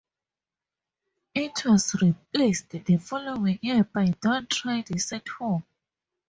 It was replaced the following year by Don't Try This at Home!